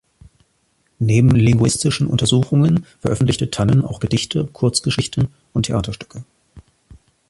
Neben linguistischen Untersuchungen veröffentlichte Tannen auch Gedichte, Kurzgeschichten und Theaterstücke.